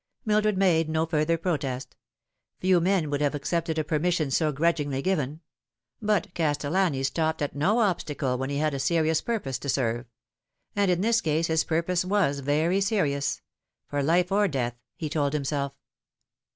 Mildred made no further protest. Few men would have accepted a permission so grudgingly given ; but Castellani stopped at no obstacle when he had a serious purpose to serve : and in this case his purpose was very serious ; for life or death, he told himself.